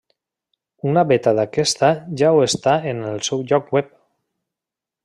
Una beta d'aquesta ja ho està en el seu lloc web.